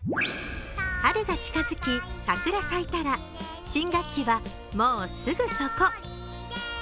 春が近づき桜咲いたら新学期は、もうすぐそこ。